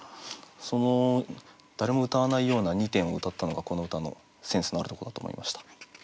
その誰もうたわないような２点をうたったのがこの歌のセンスのあるとこだと思いました。